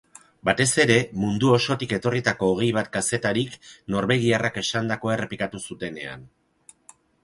Batez ere, mundu osotik etorritako hogei bat kazetarik norbegiarrak esandakoa errepikatu zutenean.